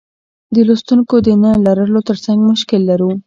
د لوستونکیو د نه لرلو ترڅنګ مشکل لرو.